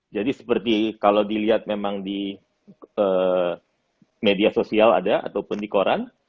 jadi seperti kalau dilihat memang di media sosial ada ataupun di koran